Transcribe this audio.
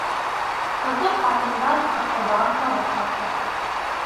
Ҡыҫыр ҡатындан ҡытҡылдаған тауыҡ артыҡ.